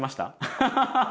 ハハハハッ！